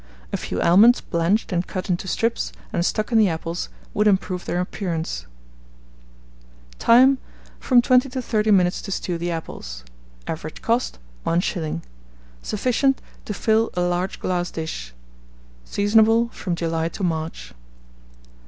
A few almonds blanched and cut into strips, and stuck in the apples, would improve their appearance. See coloured plate Q1. Time. From 20 to 30 minutes to stew the apples. Average cost, 1s. Sufficient to fill a large glass dish. Seasonable from July to March.